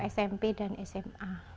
smp dan sma